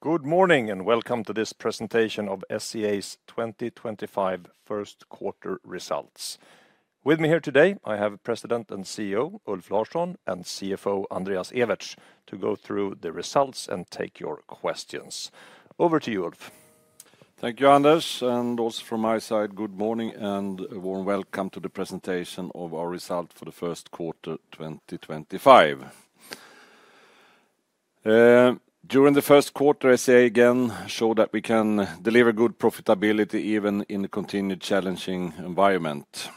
Good morning and welcome to this presentation of SCA's 2025 first quarter results. With me here today, I have President and CEO Ulf Larsson and CFO Andreas Ewertz to go through the results and take your questions. Over to you, Ulf. Thank you, Anders. Also from my side, good morning and a warm welcome to the presentation of our result for the first quarter 2025. During the first quarter, SCA again showed that we can deliver good profitability even in a continued challenging environment.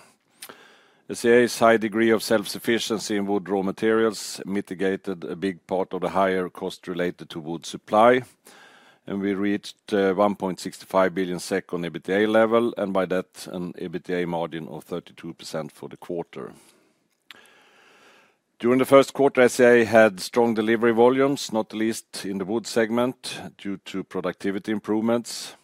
SCA's high degree of self-sufficiency in wood raw materials mitigated a big part of the higher cost related to wood supply, and we reached 1.65 billion SEK EBITDA level, and by that, an EBITDA margin of 32% for the quarter. During the first quarter, SCA had strong delivery volumes, not the least in the wood segment due to productivity improvements.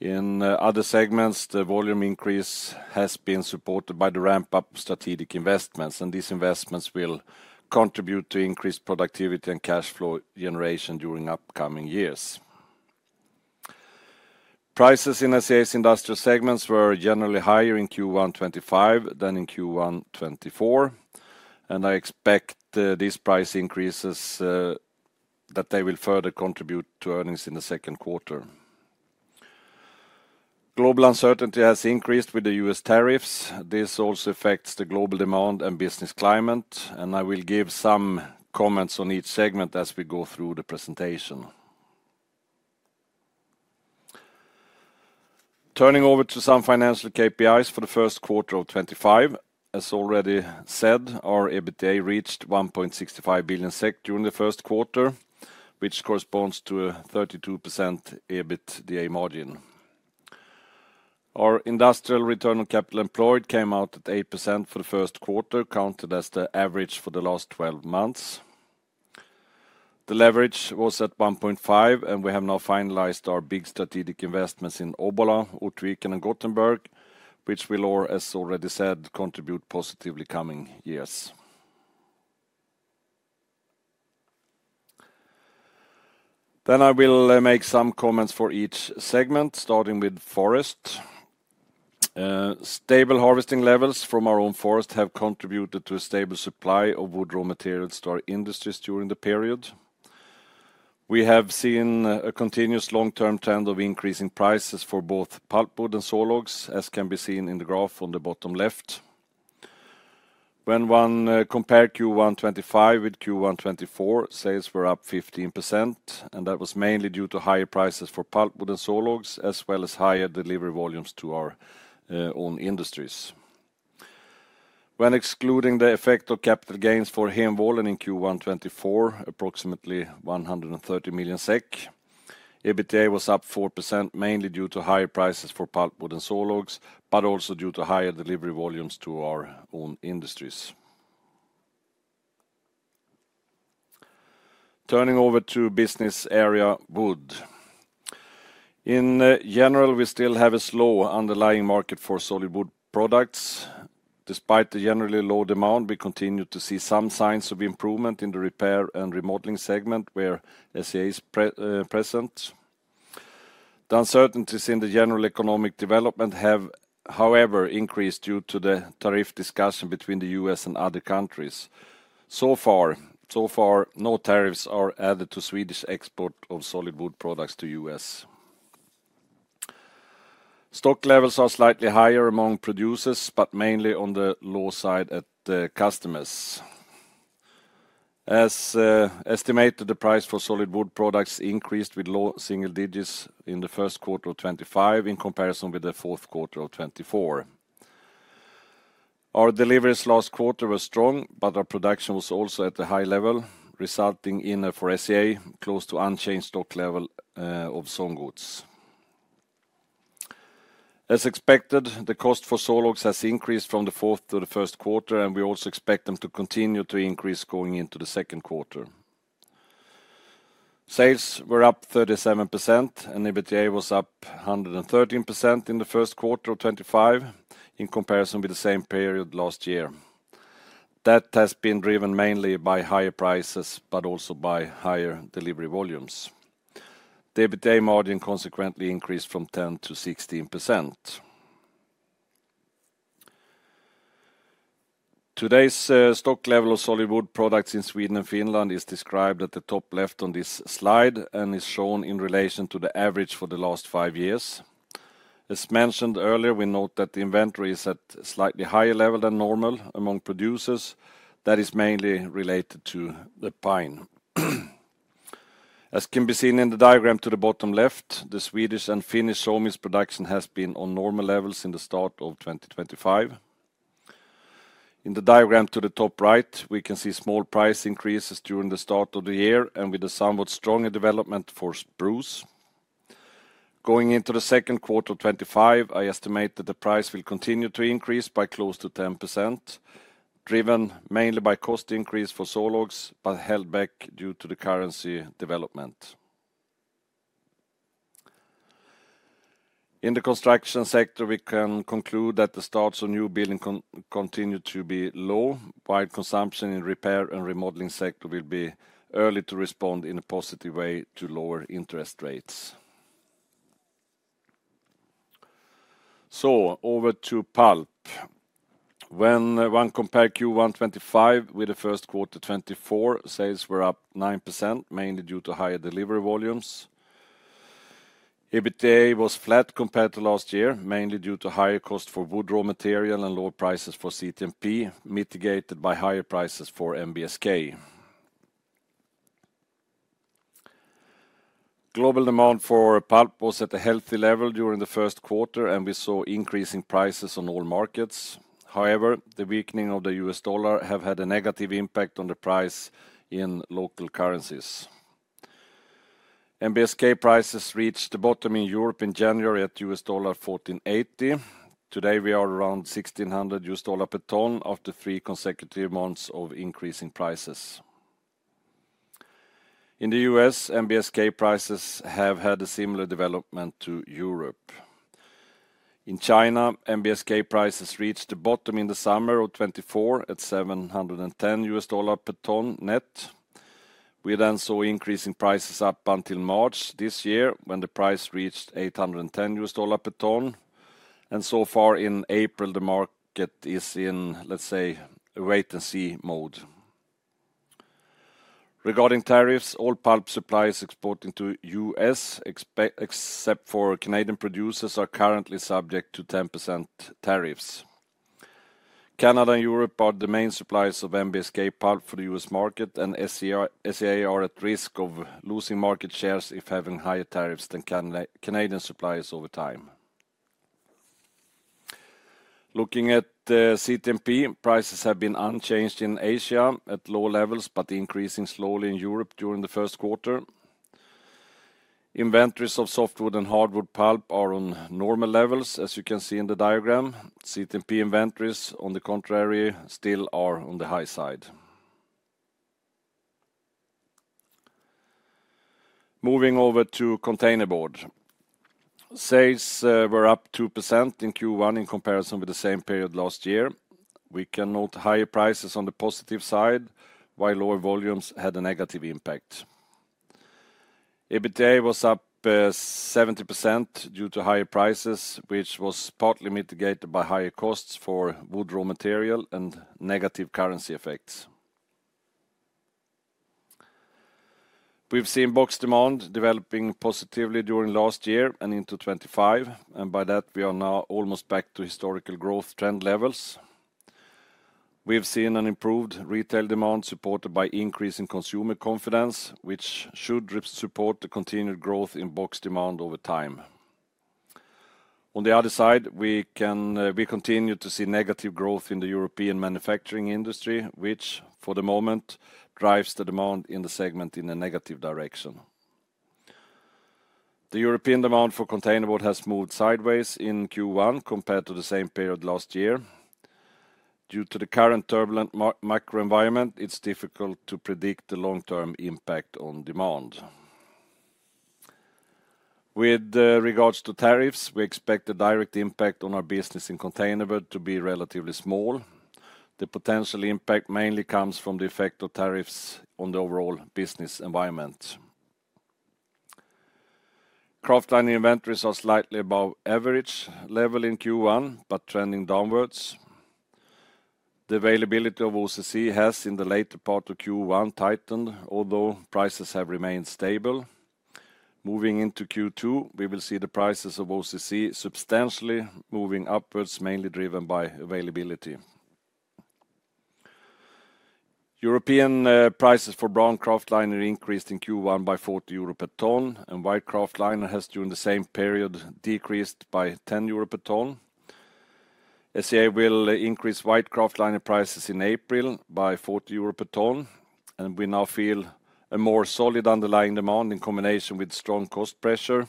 In other segments, the volume increase has been supported by the ramp-up strategic investments, and these investments will contribute to increased productivity and cash flow generation during upcoming years. Prices in SCA's industrial segments were generally higher in Q1 2025 than in Q1 2024, and I expect these price increases that they will further contribute to earnings in the second quarter. Global uncertainty has increased with the U.S. tariffs. This also affects the global demand and business climate, and I will give some comments on each segment as we go through the presentation. Turning over to some financial KPIs for the first quarter of 2025, as already said, our EBITDA reached 1.65 billion SEK during the first quarter, which corresponds to a 32% EBITDA margin. Our industrial return on capital employed came out at 8% for the first quarter, counted as the average for the last 12 months. The leverage was at 1.5, and we have now finalized our big strategic investments in Obbola, Ortviken, and Gothenburg, which will, as already said, contribute positively coming years. I will make some comments for each segment, starting with Forest. Stable harvesting levels from our own forest have contributed to a stable supply of wood raw materials to our industries during the period. We have seen a continuous long-term trend of increasing prices for both pulpwood and sawlogs, as can be seen in the graph on the bottom left. When one compared Q1 2025 with Q1 2024, sales were up 15%, and that was mainly due to higher prices for pulpwood and sawlogs, as well as higher delivery volumes to our own industries. When excluding the effect of capital gains for Henvålen in Q1 2024, approximately 130 million SEK, EBITDA was up 4%, mainly due to higher prices for pulpwood and sawlogs, but also due to higher delivery volumes to our own industries. Turning over to business area Wood. In general, we still have a slow underlying market for solid wood products. Despite the generally low demand, we continue to see some signs of improvement in the repair and remodeling segment where SCA is present. The uncertainties in the general economic development have, however, increased due to the tariff discussion between the U.S. and other countries. So far, no tariffs are added to Swedish export of solid wood products to the U.S. Stock levels are slightly higher among producers, but mainly on the low side at the customers. As estimated, the price for solid wood products increased with low single digits in the first quarter of 2025 in comparison with the fourth quarter of 2024. Our deliveries last quarter were strong, but our production was also at a high level, resulting in, for SCA, close to unchanged stock level of some goods. As expected, the cost for sawlogs has increased from the fourth to the first quarter, and we also expect them to continue to increase going into the second quarter. Sales were up 37%, and EBITDA was up 113% in the first quarter of 2025 in comparison with the same period last year. That has been driven mainly by higher prices, but also by higher delivery volumes. The EBITDA margin consequently increased from 10%-16%. Today's stock level of solid wood products in Sweden and Finland is described at the top left on this slide and is shown in relation to the average for the last five years. As mentioned earlier, we note that the inventory is at a slightly higher level than normal among producers. That is mainly related to the pine. As can be seen in the diagram to the bottom left, the Swedish and Finnish sawmills production has been on normal levels in the start of 2025. In the diagram to the top right, we can see small price increases during the start of the year and with a somewhat stronger development for spruce. Going into the second quarter of 2025, I estimate that the price will continue to increase by close to 10%, driven mainly by cost increase for sawlogs, but held back due to the currency development. In the construction sector, we can conclude that the starts of new building continue to be low, while consumption in repair and remodeling sector will be early to respond in a positive way to lower interest rates. Over to Pulp. When one compared Q1 2025 with the first quarter 2024, sales were up 9%, mainly due to higher delivery volumes. EBITDA was flat compared to last year, mainly due to higher cost for wood raw material and low prices for CTMP, mitigated by higher prices for NBSK. Global demand for pulp was at a healthy level during the first quarter, and we saw increasing prices on all markets. However, the weakening of the U.S. dollar has had a negative impact on the price in local currencies. NBSK prices reached the bottom in Europe in January at $1,480. Today, we are around $1,600 per ton after three consecutive months of increasing prices. In the U.S., NBSK prices have had a similar development to Europe. In China, NBSK prices reached the bottom in the summer of 2024 at $710 per ton net. We then saw increasing prices up until March this year when the price reached $810 per ton. So far in April, the market is in, let's say, a wait-and-see mode. Regarding tariffs, all pulp supplies exporting to the U.S., except for Canadian producers, are currently subject to 10% tariffs. Canada and Europe are the main suppliers of NBSK pulp for the U.S. market, and SCA are at risk of losing market shares if having higher tariffs than Canadian suppliers over time. Looking at CTMP, prices have been unchanged in Asia at low levels, but increasing slowly in Europe during the first quarter. Inventories of softwood and hardwood pulp are on normal levels, as you can see in the diagram. CTMP inventories, on the contrary, still are on the high side. Moving over to containerboard. Sales were up 2% in Q1 in comparison with the same period last year. We can note higher prices on the positive side, while lower volumes had a negative impact. EBITDA was up 70% due to higher prices, which was partly mitigated by higher costs for wood raw material and negative currency effects. We've seen box demand developing positively during last year and into 2025, and by that, we are now almost back to historical growth trend levels. We've seen an improved retail demand supported by increasing consumer confidence, which should support the continued growth in box demand over time. On the other side, we continue to see negative growth in the European manufacturing industry, which, for the moment, drives the demand in the segment in a negative direction. The European demand for containerboard has moved sideways in Q1 compared to the same period last year. Due to the current turbulent macro environment, it's difficult to predict the long-term impact on demand. With regards to tariffs, we expect the direct impact on our business in containerboard to be relatively small. The potential impact mainly comes from the effect of tariffs on the overall business environment. Kraftliner inventories are slightly above average level in Q1, but trending downwards. The availability of OCC has in the later part of Q1 tightened, although prices have remained stable. Moving into Q2, we will see the prices of OCC substantially moving upwards, mainly driven by availability. European prices for brown kraftliner increased in Q1 by 40 euro per ton, and white kraftliner has during the same period decreased by 10 euro per ton. SCA will increase white kraftliner prices in April by 40 euro per ton, and we now feel a more solid underlying demand in combination with strong cost pressure.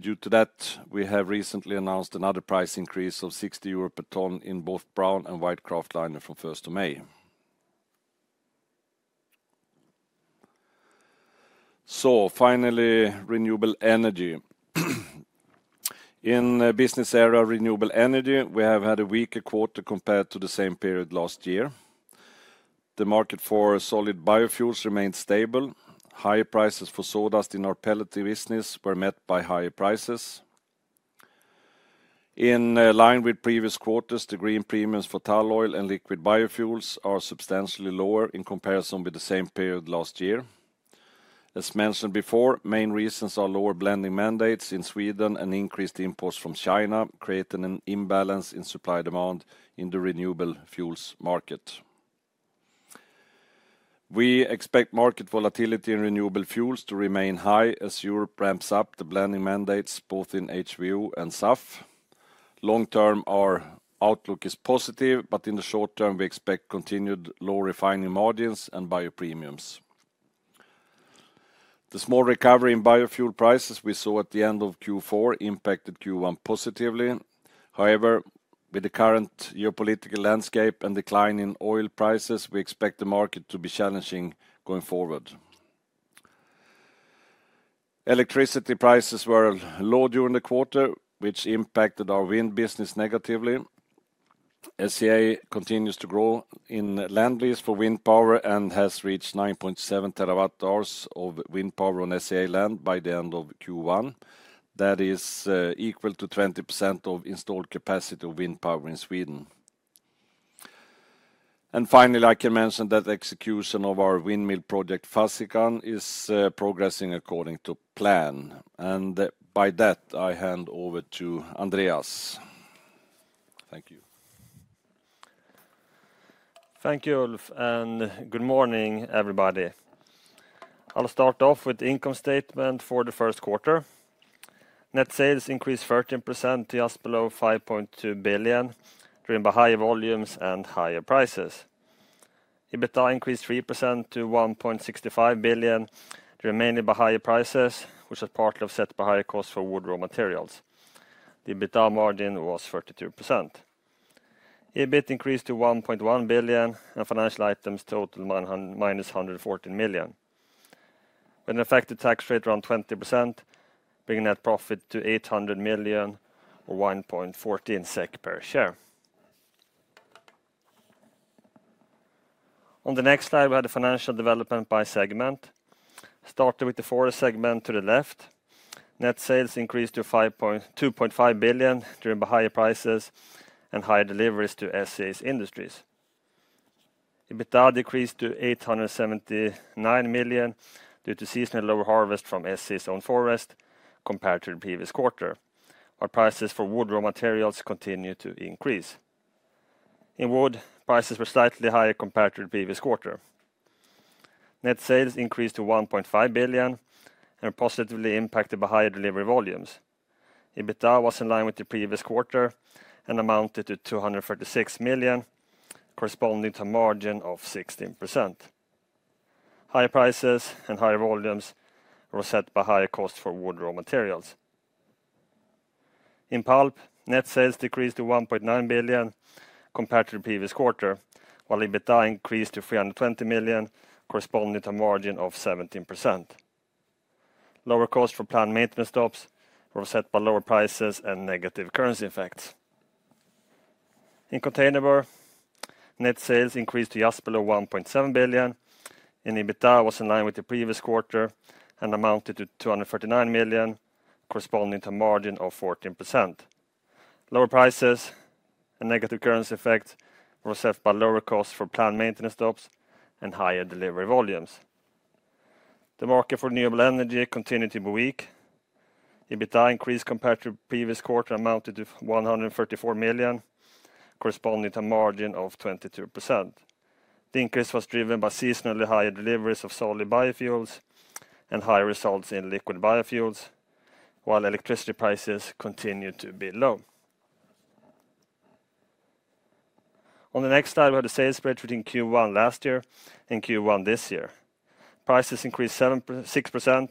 Due to that, we have recently announced another price increase of 60 euro per ton in both brown and white kraftliner from 1st of May. Finally, Renewable Energy. In business area Renewable Energy, we have had a weaker quarter compared to the same period last year. The market for solid biofuels remained stable. Higher prices for sawdust in our pellet business were met by higher prices. In line with previous quarters, the green premiums for tall oil and liquid biofuels are substantially lower in comparison with the same period last year. As mentioned before, main reasons are lower blending mandates in Sweden and increased imports from China, creating an imbalance in supply demand in the renewable fuels market. We expect market volatility in renewable fuels to remain high as Europe ramps up the blending mandates both in HVO and SAF. Long term, our outlook is positive, but in the short term, we expect continued low refining margins and bio premiums. The small recovery in biofuel prices we saw at the end of Q4 impacted Q1 positively. However, with the current geopolitical landscape and decline in oil prices, we expect the market to be challenging going forward. Electricity prices were low during the quarter, which impacted our wind business negatively. SCA continues to grow in land lease for wind power and has reached 9.7 TWh of wind power on SCA land by the end of Q1. That is equal to 20% of installed capacity of wind power in Sweden. Finally, I can mention that execution of our windmill project Fasikan is progressing according to plan. By that, I hand over to Andreas. Thank you. Thank you, Ulf. Good morning, everybody. I'll start off with the income statement for the first quarter. Net sales increased 13% to just below 5.2 billion during the high volumes and higher prices. EBITDA increased 3% to 1.65 billion, remaining the higher prices, which are partly offset by higher cost for wood raw materials. The EBITDA margin was 32%. EBIT increased to 1.1 billion and financial items total -114 million. With an effective tax rate around 20%, bringing net profit to 800 million or 1.14 SEK per share. On the next slide, we had the financial development by segment. Started with the Forest segment to the left. Net sales increased to 2.5 billion during the higher prices and higher deliveries to SCA's industries. EBITDA decreased to 879 million due to seasonal lower harvest from SCA's own forest compared to the previous quarter. Our prices for wood raw materials continue to increase. In Wood, prices were slightly higher compared to the previous quarter. Net sales increased to 1.5 billion and positively impacted by higher delivery volumes. EBITDA was in line with the previous quarter and amounted to 236 million, corresponding to a margin of 16%. Higher prices and higher volumes were set by higher costs for wood raw materials. In Pulp, net sales decreased to 1.9 billion compared to the previous quarter, while EBITDA increased to 320 million, corresponding to a margin of 17%. Lower costs for plant maintenance stops were set by lower prices and negative currency effects. In Containerboard, net sales increased to just below 1.7 billion. EBITDA was in line with the previous quarter and amounted to 239 million, corresponding to a margin of 14%. Lower prices and negative currency effects were set by lower costs for plant maintenance stops and higher delivery volumes. The market for renewable energy continued to be weak. EBITDA increased compared to the previous quarter and amounted to 134 million, corresponding to a margin of 22%. The increase was driven by seasonally higher deliveries of solid biofuels and higher results in liquid biofuels, while electricity prices continued to be low. On the next slide, we have the sales spread between Q1 last year and Q1 this year. Prices increased 6%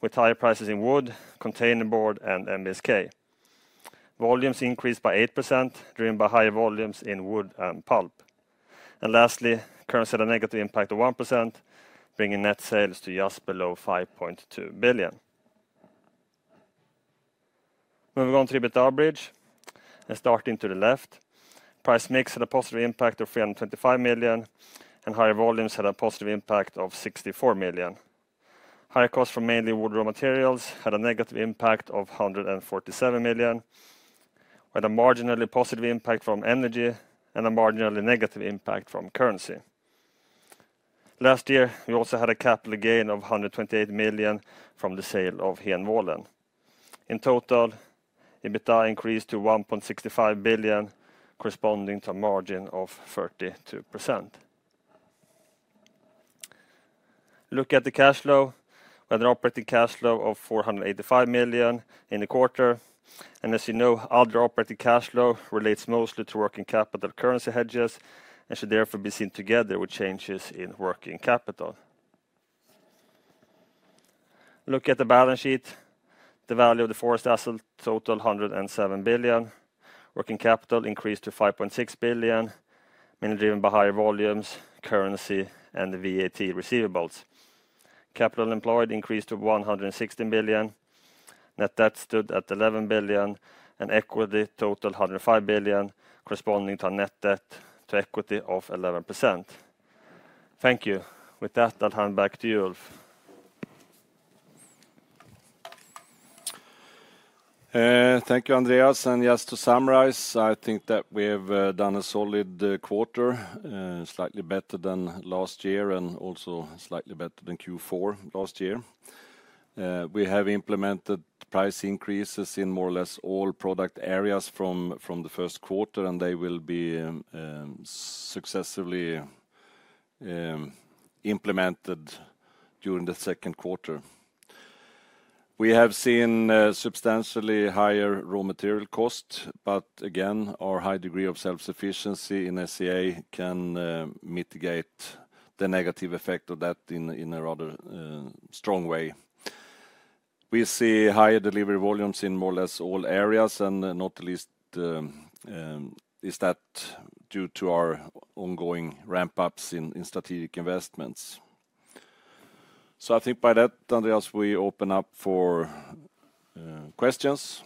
with higher prices in Wood, Containerboard, and NBSK. Volumes increased by 8% driven by higher volumes in Wood and Pulp. Lastly, currency had a negative impact of 1%, bringing net sales to just below 5.2 billion. Moving on to EBITDA bridge and starting to the left, price mix had a positive impact of 325 million and higher volumes had a positive impact of 64 million. Higher costs for mainly wood raw materials had a negative impact of 147 million, with a marginally positive impact from energy and a marginally negative impact from currency. Last year, we also had a capital gain of 128 million from the sale of Henvålen. In total, EBITDA increased to 1.65 billion, corresponding to a margin of 32%. Look at the cash flow, with an operating cash flow of 485 million in the quarter. As you know, other operating cash flow relates mostly to working capital currency hedges and should therefore be seen together with changes in working capital. Look at the balance sheet. The value of the forest asset totaled 107 billion. Working capital increased to 5.6 billion, mainly driven by higher volumes, currency, and VAT receivables. Capital employed increased to 160 billion. Net debt stood at 11 billion and equity totaled 105 billion, corresponding to a net debt to equity of 11%. Thank you. With that, I'll hand back to you, Ulf. Thank you, Andreas. Just to summarize, I think that we've done a solid quarter, slightly better than last year and also slightly better than Q4 last year. We have implemented price increases in more or less all product areas from the first quarter, and they will be successively implemented during the second quarter. We have seen substantially higher raw material costs, but again, our high degree of self-sufficiency in SCA can mitigate the negative effect of that in a rather strong way. We see higher delivery volumes in more or less all areas, and not the least is that due to our ongoing ramp-ups in strategic investments. I think by that, Andreas, we open up for questions.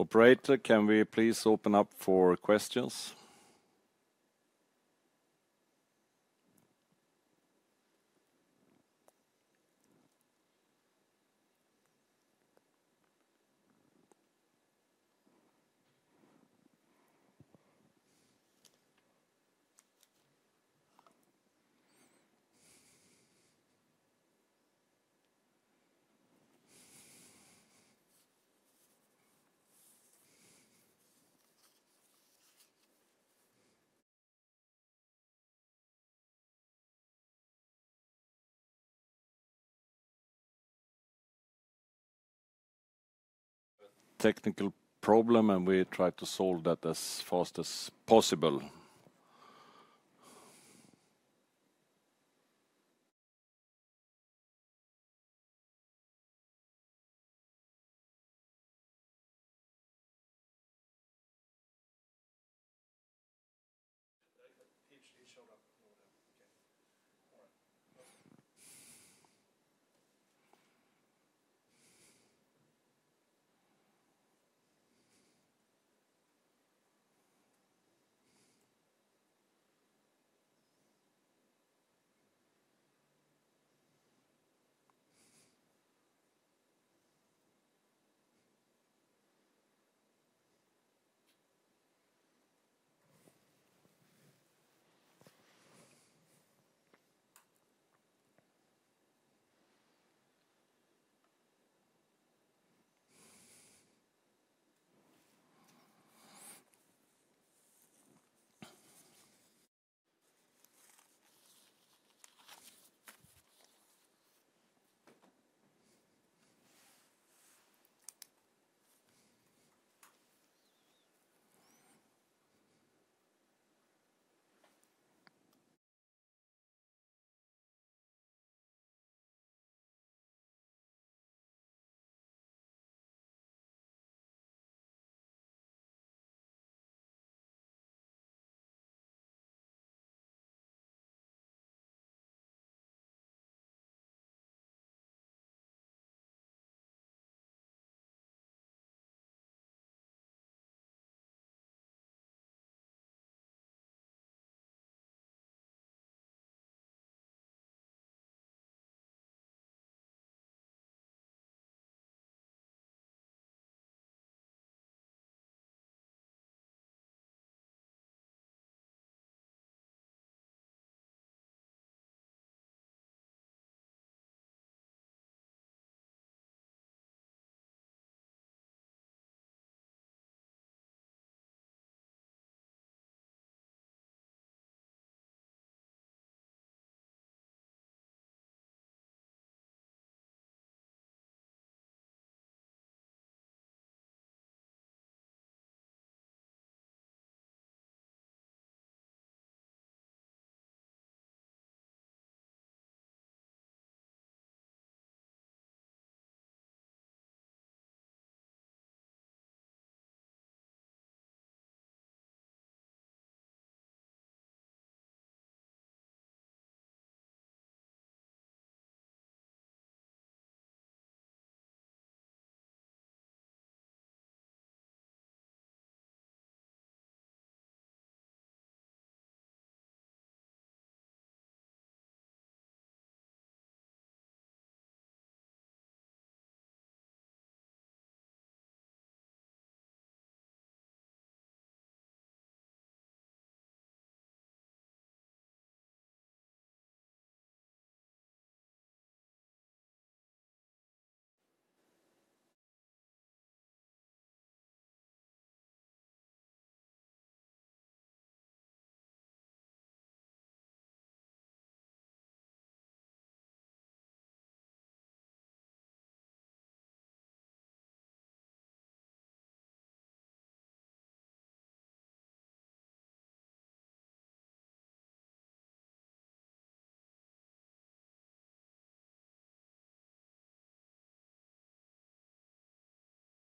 Operator, can we please open up for questions? Technical problem, and we try to solve that as fast as possible.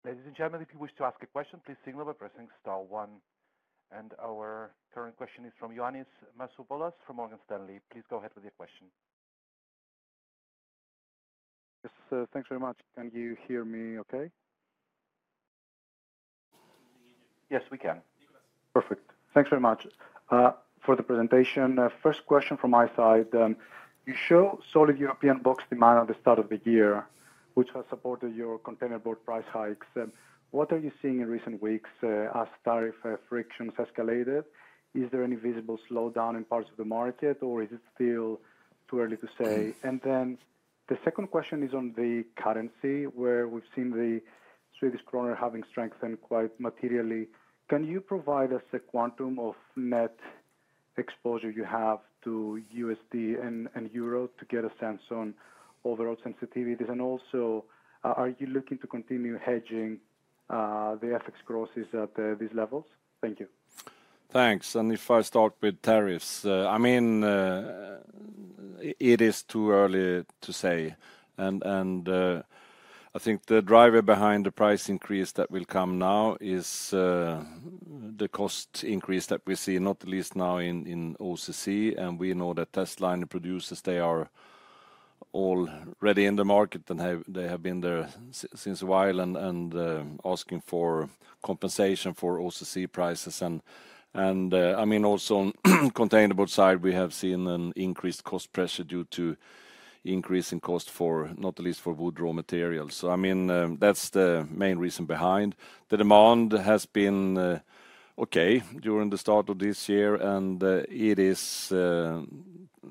Ladies and gentlemen, if you wish to ask a question, please signal by pressing star one. Our current question is from Ioannis Masvoulas from Morgan Stanley. Please go ahead with your question. Yes, thanks very much. Can you hear me okay? Yes, we can. Perfect. Thanks very much for the presentation. First question from my side. You show solid European box demand at the start of the year, which has supported your containerboard price hikes. What are you seeing in recent weeks as tariff frictions escalated? Is there any visible slowdown in parts of the market, or is it still too early to say? The second question is on the currency, where we've seen the Swedish krona having strengthened quite materially. Can you provide us a quantum of net exposure you have to USD and euro to get a sense on overall sensitivities? Also, are you looking to continue hedging the FX crosses at these levels? Thank you. Thanks. If I start with tariffs, I mean, it is too early to say. I think the driver behind the price increase that will come now is the cost increase that we see, not the least now in OCC. We know that testliner producers, they are already in the market, and they have been there since a while and asking for compensation for OCC prices. I mean, also on the Containerboard side, we have seen an increased cost pressure due to increasing cost for, not the least, for wood raw materials. I mean, that's the main reason behind. The demand has been okay during the start of this year, and it is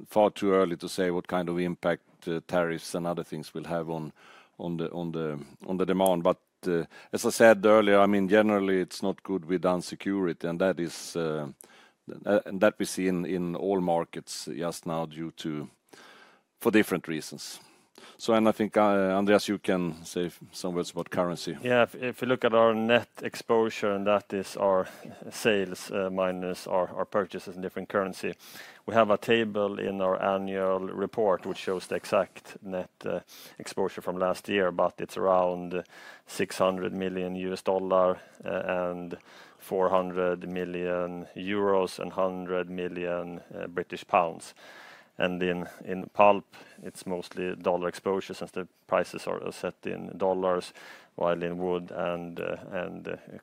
far too early to say what kind of impact tariffs and other things will have on the demand. As I said earlier, I mean, generally, it's not good with unsecurity, and that is what we see in all markets just now due to different reasons. I think, Andreas, you can say some words about currency. Yeah, if you look at our net exposure, and that is our sales minus our purchases in different currency. We have a table in our annual report which shows the exact net exposure from last year, but it's around $600 million and 400 million euros and 100 million British pounds. In Pulp, it's mostly dollar exposure since the prices are set in dollars, while in Wood and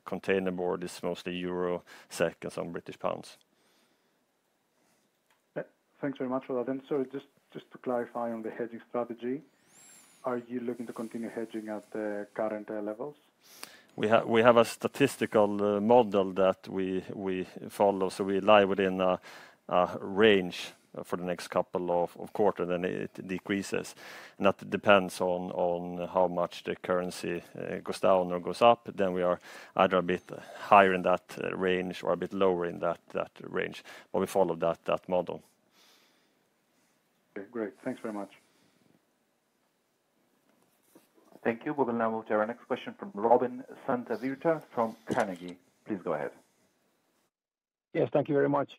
Containerboard it is mostly euro, SEK, and on British pounds. Thanks very much for that. Sorry, just to clarify on the hedging strategy, are you looking to continue hedging at the current levels? We have a statistical model that we follow, so we lie within a range for the next couple of quarters, and it decreases. That depends on how much the currency goes down or goes up. We are either a bit higher in that range or a bit lower in that range, or we follow that model. Okay, great. Thanks very much. Thank you. We will now move to our next question from Robin Santavirta from Carnegie. Please go ahead. Yes, thank you very much.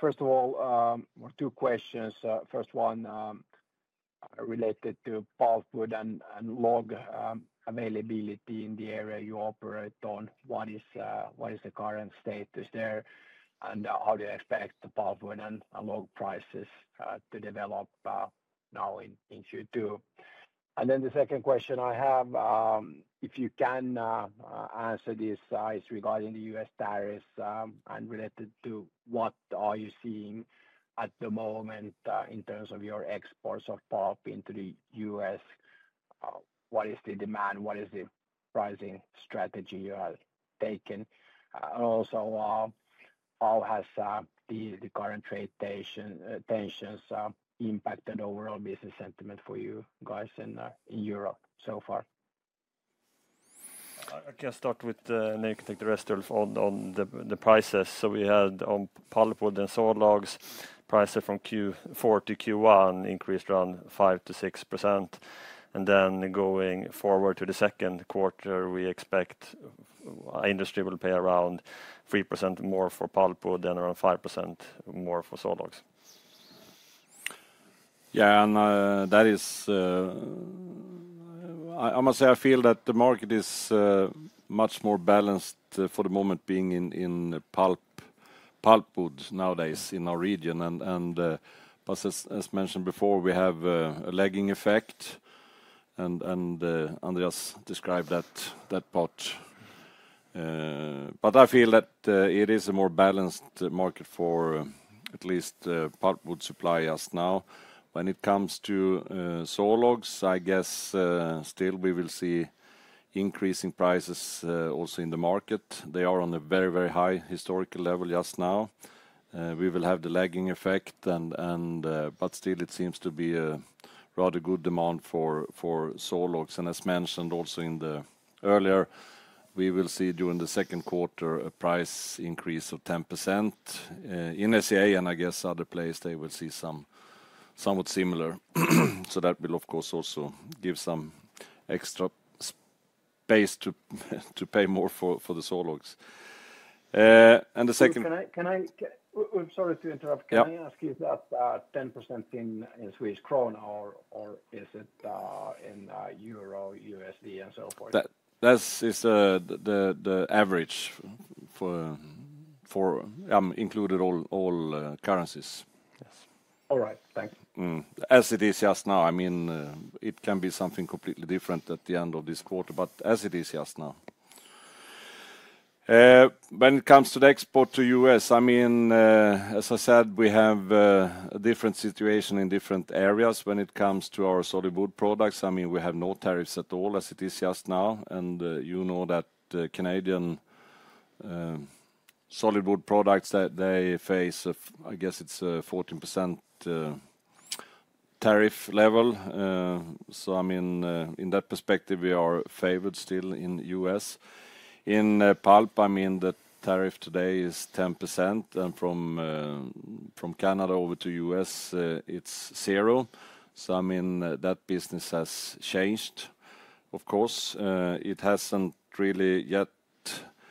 First of all, two questions. First one related to pulpwood and log availability in the area you operate on. What is the current status there? How do you expect the pulpwood and log prices to develop now in Q2? The second question I have, if you can answer this, is regarding the U.S. tariffs and related to what are you seeing at the moment in terms of your exports of pulp into the U.S.? What is the demand? What is the pricing strategy you have taken? Also, how has the current trade tensions impacted overall business sentiment for you guys in Europe so far? I can start with, and then you can take the rest, Ulf, on the prices. We had on pulpwood and sawlogs, prices from Q4 to Q1 increased around 5% to 6%. Going forward to the second quarter, we expect industry will pay around 3% more for pulpwood and around 5% more for sawlogs. Yeah, I must say, I feel that the market is much more balanced for the moment being in pulpwood nowadays in our region. As mentioned before, we have a lagging effect, and Andreas described that part. I feel that it is a more balanced market for at least pulpwood supply just now. When it comes to sawlogs, I guess still we will see increasing prices also in the market. They are on a very, very high historical level just now. We will have the lagging effect, but still it seems to be a rather good demand for sawlogs. As mentioned also earlier, we will see during the second quarter a price increase of 10% in SCA, and I guess other places will see somewhat similar. That will, of course, also give some extra space to pay more for the sawlogs. The second. Can I? Sorry to interrupt. Can I ask you, that 10% in SEK, or is it in EUR, USD, and so forth? That is the average for, I mean, including all currencies. Yes. All right. Thank you. As it is just now, I mean, it can be something completely different at the end of this quarter, but as it is just now. When it comes to the export to the U.S., I mean, as I said, we have a different situation in different areas when it comes to our solid wood products. I mean, we have no tariffs at all as it is just now. And you know that Canadian solid wood products, they face, I guess it's a 14% tariff level. I mean, in that perspective, we are favored still in the U.S. In pulp, I mean, the tariff today is 10%, and from Canada over to the U.S., it's zero. I mean, that business has changed, of course. It hasn't really yet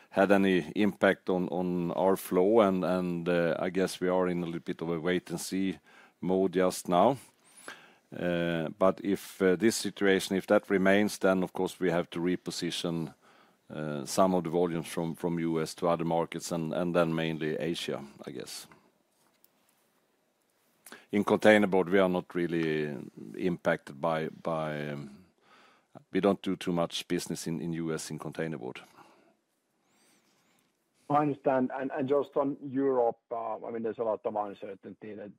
had any impact on our flow, and I guess we are in a little bit of a wait-and-see mode just now. If this situation, if that remains, then of course we have to reposition some of the volumes from the U.S. to other markets and then mainly Asia, I guess. In Containerboard, we are not really impacted by, we don't do too much business in the U.S. in Containerboard. I understand. Just on Europe, I mean, there is a lot of uncertainty that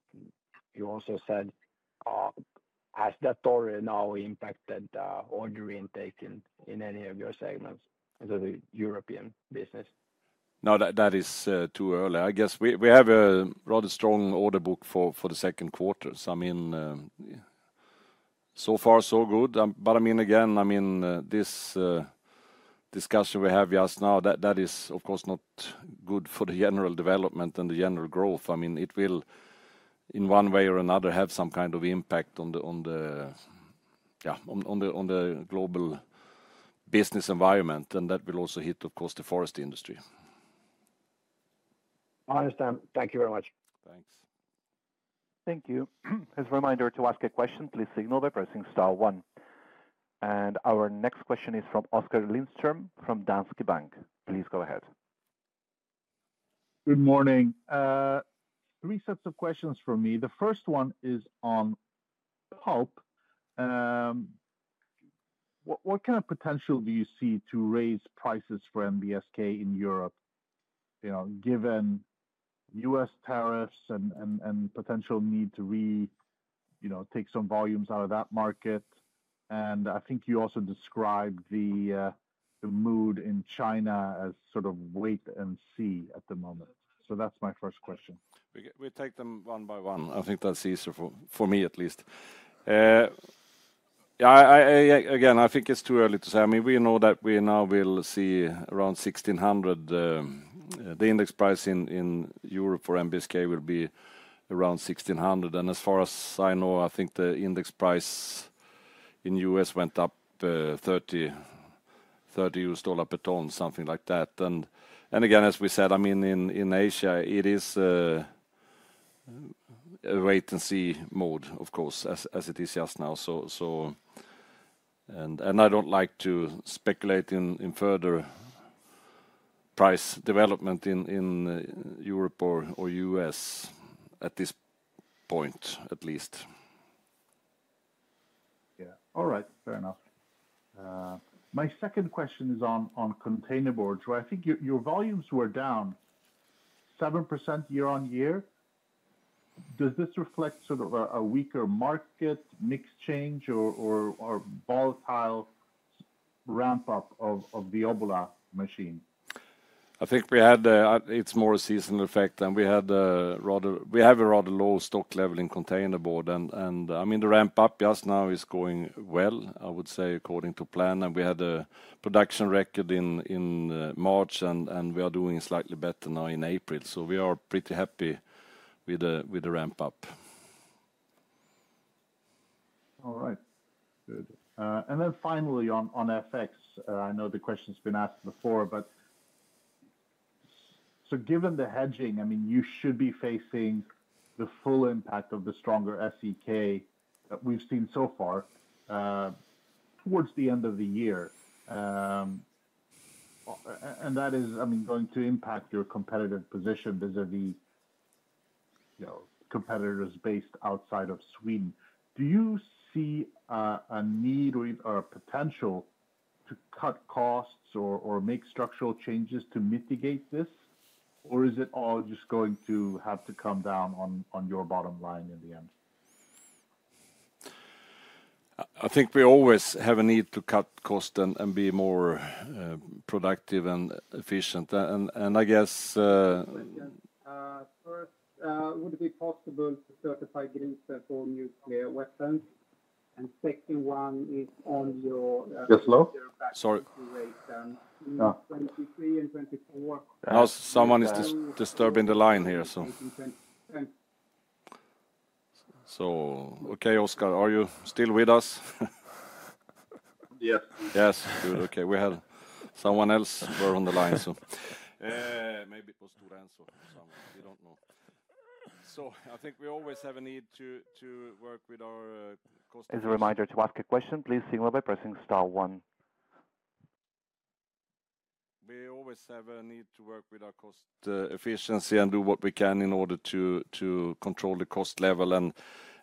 you also said. Has that already now impacted order intake in any of your segments as a European business? No, that is too early. I guess we have a rather strong order book for the second quarter. So far, so good. I mean, again, I mean, this discussion we have just now, that is of course not good for the general development and the general growth. I mean, it will in one way or another have some kind of impact on the global business environment, and that will also hit, of course, the forest industry. I understand. Thank you very much. Thanks. Thank you. As a reminder to ask a question, please signal by pressing star one. Our next question is from Oskar Lindström from Danske Bank. Please go ahead. Good morning. Three sets of questions for me. The first one is on Pulp. What kind of potential do you see to raise prices for NBSK in Europe given U.S. tariffs and potential need to take some volumes out of that market? I think you also described the mood in China as sort of wait and see at the moment. That's my first question. We take them one by one. I think that's easier for me at least. Again, I think it's too early to say. I mean, we know that we now will see around 1,600. The index price in Europe for NBSK will be around 1,600. As far as I know, I think the index price in the U.S. went up $30 per ton, something like that. Again, as we said, I mean, in Asia, it is a wait-and-see mode, of course, as it is just now. I do not like to speculate in further price development in Europe or the U.S. at this point at least. Yeah. All right. Fair enough. My second question is on Containerboard. I think your volumes were down 7% year-on-year. Does this reflect sort of a weaker market, mixed change, or volatile ramp-up of the Obbola machine? I think we had, it is more a seasonal effect. We have a rather low stock level in containerboard. I mean, the ramp-up just now is going well, I would say, according to plan. We had a production record in March, and we are doing slightly better now in April. We are pretty happy with the ramp-up. All right. Good. Finally on FX, I know the question's been asked before, but given the hedging, I mean, you should be facing the full impact of the stronger SEK that we've seen so far towards the end of the year. That is, I mean, going to impact your competitive position vis-à-vis competitors based outside of Sweden. Do you see a need or a potential to cut costs or make structural changes to mitigate this, or is it all just going to have to come down on your bottom line in the end? I think we always have a need to cut costs and be more productive and efficient. I guess. Question. First, would it be possible to certify Greece for nuclear weapons? Second one is on your just low? Sorry. 2023 and 2024. Someone is disturbing the line here, so. Okay, Oscar, are you still with us? Yes. Yes. Good. We had someone else on the line, so maybe it was too random for someone. We do not know. I think we always have a need to work with our cost. As a reminder to ask a question, please signal by pressing star one. We always have a need to work with our cost efficiency and do what we can in order to control the cost level.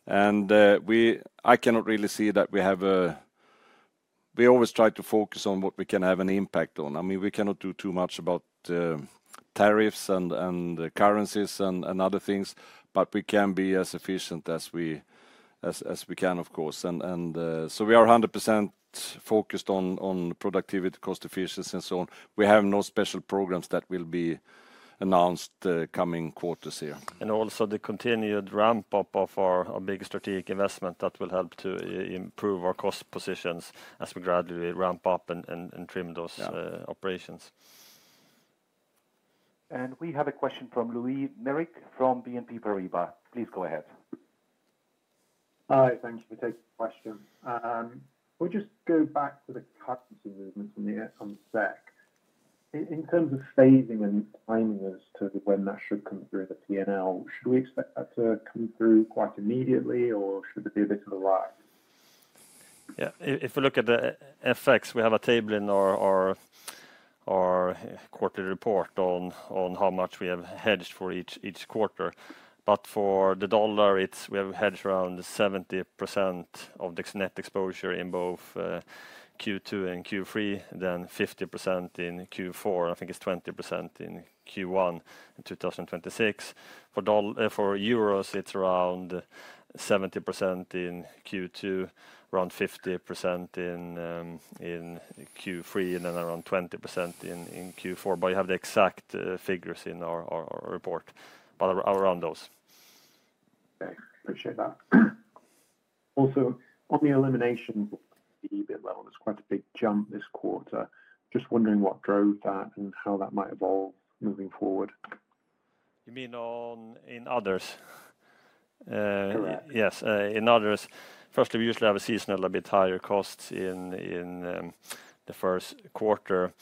I cannot really see that we have a—we always try to focus on what we can have an impact on. I mean, we cannot do too much about tariffs and currencies and other things, but we can be as efficient as we can, of course. We are 100% focused on productivity, cost efficiency, and so on. We have no special programs that will be announced coming quarters here. Also, the continued ramp-up of our big strategic investment will help to improve our cost positions as we gradually ramp up and trim those operations. We have a question from Lewis Merrick from BNP Paribas. Please go ahead. Hi. Thank you for taking the question. We'll just go back to the currency movements on the SEK. In terms of phasing and timing as to when that should come through the P&L, should we expect that to come through quite immediately, or should it be a bit of a lag? Yeah. If we look at the FX, we have a table in our quarterly report on how much we have hedged for each quarter. For the dollar, we have hedged around 70% of the net exposure in both Q2 and Q3, then 50% in Q4. I think it's 20% in Q1 in 2026. For euros, it's around 70% in Q2, around 50% in Q3, and then around 20% in Q4. You have the exact figures in our report, but around those. Okay. Appreciate that. Also, on the elimination of the EBIT level, there's quite a big jump this quarter. Just wondering what drove that and how that might evolve moving forward. You mean in others? Yes, in others. Firstly, we usually have a seasonal a bit higher costs in the first quarter.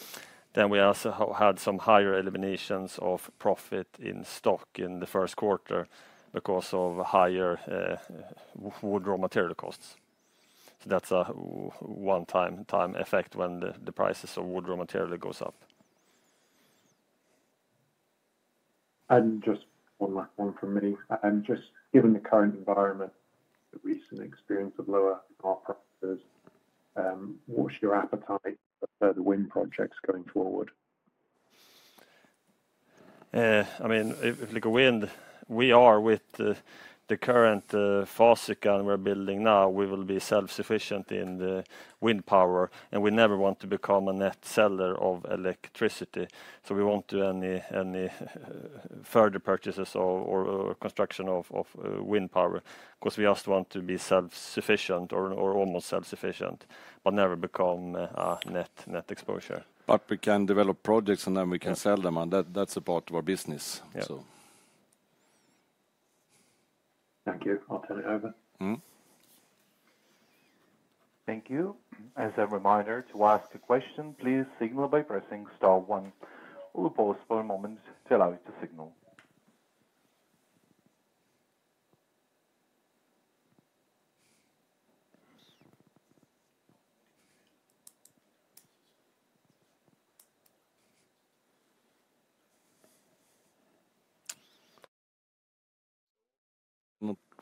We also had some higher eliminations of profit in stock in the first quarter because of higher wood raw material costs. That's a one-time effect when the prices of wood raw material goes up. Just one last one from me. Just given the current environment, the recent experience of lower power prices, what's your appetite for further wind projects going forward? I mean, if we go in, we are with the current faucet gun we're building now, we will be self-sufficient in the wind power. We never want to become a net seller of electricity. We won't do any further purchases or construction of wind power because we just want to be self-sufficient or almost self-sufficient, but never become a net exposure. We can develop projects and then we can sell them. That's a part of our business, so. Thank you. I'll turn it over. Thank you. As a reminder to ask a question, please signal by pressing star one. We'll pause for a moment to allow you to signal.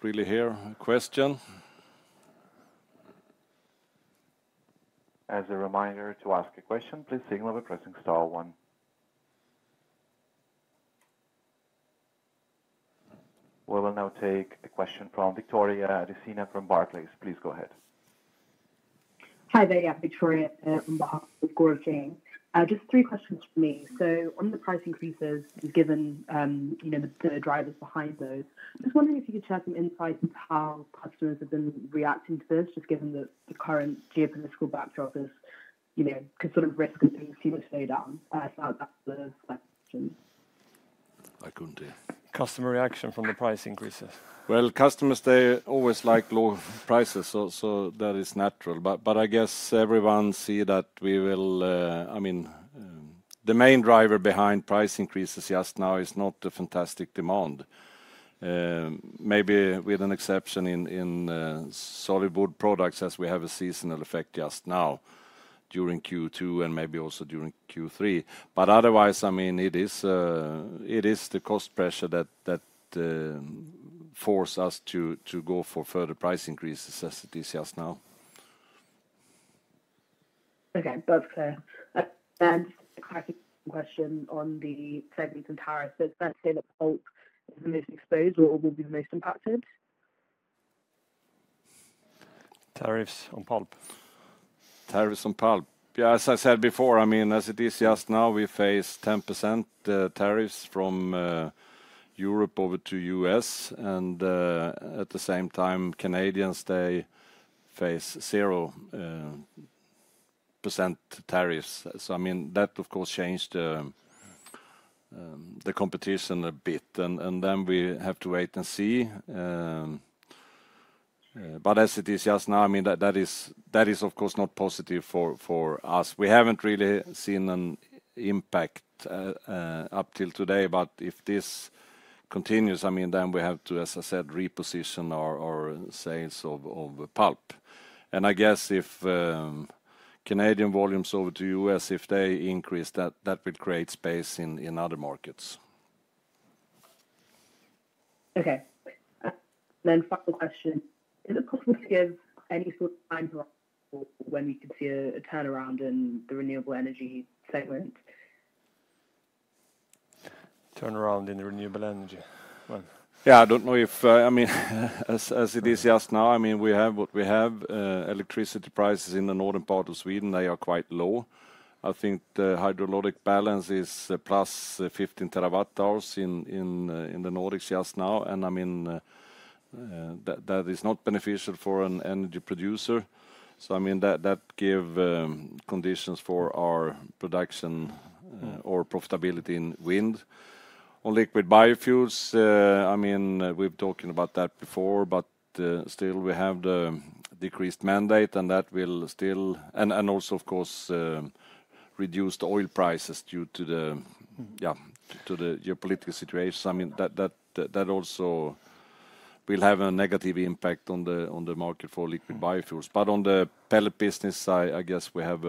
Not really hear a question. As a reminder to ask a question, please signal by pressing star one. We will now take a question from Victoria Adesina from Barclays. Please go ahead. Hi there. Victoria here on behalf of Gaurav Jain. Just three questions for me. On the price increases, given the drivers behind those, just wondering if you could share some insights into how customers have been reacting to this, just given the current geopolitical backdrop as it could sort of risk a few slowdowns. I thought that was the question. I could not hear. Customer reaction from the price increases? Customers, they always like low prices, so that is natural. I guess everyone sees that we will, I mean, the main driver behind price increases just now is not the fantastic demand. Maybe with an exception in solid wood products as we have a seasonal effect just now during Q2 and maybe also during Q3. Otherwise, I mean, it is the cost pressure that forces us to go for further price increases as it is just now. Okay. That's clear. A question on the segments and tariffs. Is that to say that Pulp is the most exposed or will be the most impacted? Tariffs on pulp. Tariffs on pulp. Yeah, as I said before, I mean, as it is just now, we face 10% tariffs from Europe over to the U.S. At the same time, Canadians, they face 0% tariffs. I mean, that of course changes the competition a bit. We have to wait and see. As it is just now, I mean, that is of course not positive for us. We have not really seen an impact up till today. If this continues, I mean, then we have to, as I said, reposition our sales of pulp. I guess if Canadian volumes over to the U.S., if they increase, that will create space in other markets. Okay. Final question. Is it possible to give any sort of time horizon when we could see a turnaround in the Renewable Energy segment? Turnaround in the Renewable Energy. Yeah, I don't know if, I mean, as it is just now, we have what we have. Electricity prices in the northern part of Sweden, they are quite low. I think the hydrologic balance is +15 TWh in the Nordics just now. I mean, that is not beneficial for an energy producer. I mean, that gives conditions for our production or profitability in wind. On liquid biofuels, I mean, we've talked about that before, but still we have the decreased mandate and that will still, and also of course, reduce the oil prices due to the, yeah, to the geopolitical situation. I mean, that also will have a negative impact on the market for liquid biofuels. On the pellet business side, I guess we have,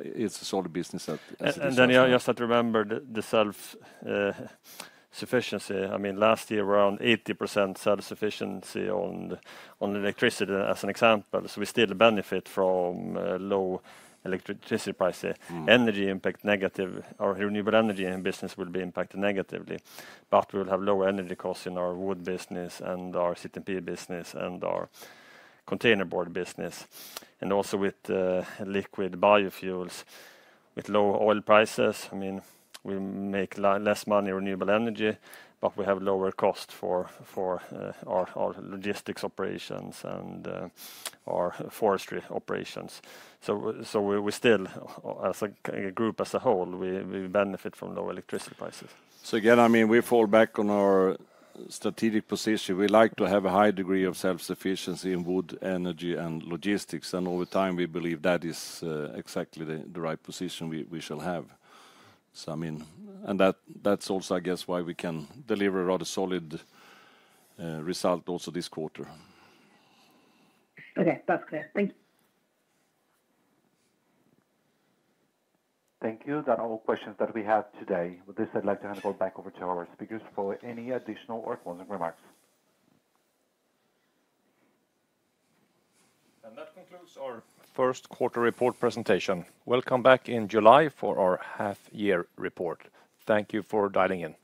it's a solid business as it is just now. You just had to remember the self-sufficiency. I mean, last year around 80% self-sufficiency on electricity as an example. We still benefit from low electricity prices. Energy impact negative, our Renewable Energy business will be impacted negatively. We will have lower energy costs in our Wood business and our CTMP business and our Containerboard business. Also with liquid biofuels, with low oil prices, I mean, we make less money on Renewable Energy, but we have lower costs for our Logistics operations and our Forestry operations. We still, as a group as a whole, benefit from low electricity prices. Again, I mean, we fall back on our strategic position. We like to have a high degree of self-sufficiency in Wood, Energy, and Logistics. Over time, we believe that is exactly the right position we shall have. I mean, and that's also, I guess, why we can deliver a rather solid result also this quarter. Okay. That's clear. Thank you. Thank you. That are all questions that we had today. With this, I'd like to hand it back over to our speakers for any additional or closing remarks. That concludes our first quarter report presentation. Welcome back in July for our half-year report. Thank you for dialing in.